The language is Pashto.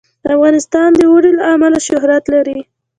افغانستان د اوړي له امله شهرت لري.